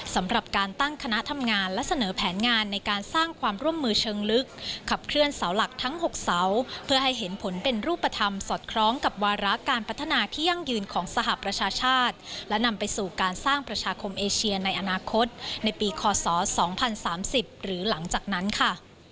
สำหรับการตั้งคณะทำงานและเสนอแผนงานในการสร้างความร่วมมือเชิงลึกขับเคลื่อนเสาหลักทั้ง๖เสาเพื่อให้เห็นผลเป็นรูปธรรมสอดคล้องกับวาระการพัฒนาที่ยั่งยืนของสหประชาชาติและนำไปสู่การสร้างประชาคมเอเชียในอนาคตในปีคศ๒๐๓๐หรือหลังจากนั้นค่ะ